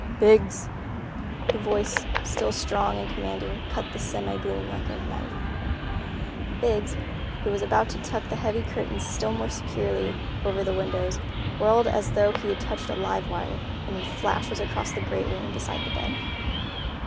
"Biggs!" The voice, still strong and commanding, cut the semi gloom like a knife. Biggs, who was about to tuck the heavy curtains still more securely over the windows, whirled as though he had touched a live wire, and in a flash was across the great room and beside the bed.